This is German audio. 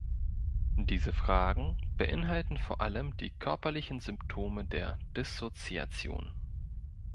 Diese Fragen beinhalten vor allem die körperlichen Symptome der Dissoziation.